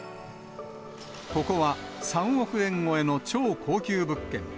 ここは３億円超えの超高級物件。